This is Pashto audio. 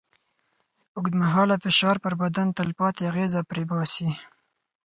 اوږدمهاله فشار پر بدن تلپاتې اغېزه پرېباسي.